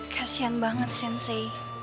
kasian banget sensei